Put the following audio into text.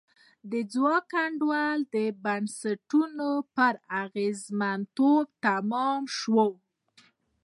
د ځواک انډول د بنسټونو پر اغېزمنتوب تمام شو.